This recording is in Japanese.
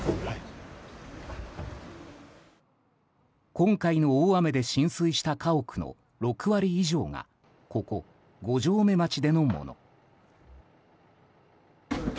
今回の大雨で浸水した家屋の６割以上がここ、五城目町でのもの。